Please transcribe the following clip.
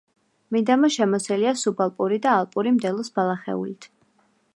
მიდამო შემოსილია სუბალპური და ალპური მდელოს ბალახეულით.